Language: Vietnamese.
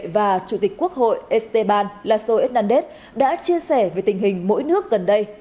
và chủ tịch quốc hội esteban lasso hernández đã chia sẻ về tình hình mỗi nước gần đây